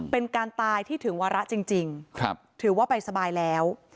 เป็นการตายที่ถึงวาระจริงถือว่าไปสบายแล้ว